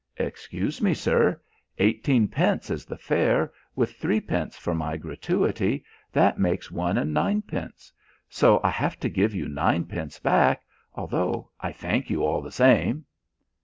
"Excuse me, sir, eighteenpence is the fare with threepence for my gratuity, that makes one and ninepence. So I have to give you ninepence back, although I thank you all the same."